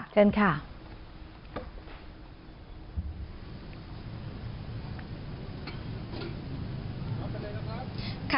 เชิญค่ะ